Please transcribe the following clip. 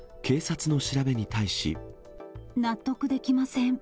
納得できません。